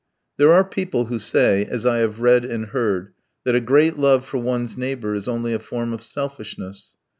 There are people who say, as I have read and heard, that a great love for one's neighbour is only a form of selfishness.